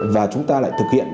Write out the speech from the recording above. và chúng ta lại thực hiện